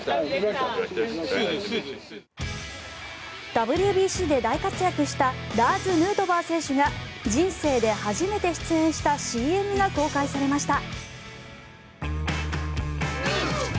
ＷＢＣで大活躍したラーズ・ヌートバー選手が人生で初めて出演したＣＭが公開されました。